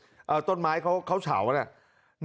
แต้โต้นไม้เขาเฉาแล้ว